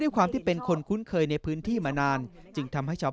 ความที่เป็นคนคุ้นเคยในพื้นที่มานานจึงทำให้ชาว